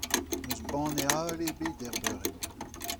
N'eus banne avel ebet er beure-mañ.